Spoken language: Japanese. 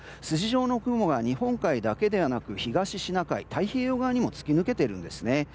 筋状の雲が日本海だけではなく東シナ海太平洋側にも突き抜けています。